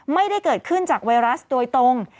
ไม่ได้เกิดขึ้นจากไวรัสโดยตรง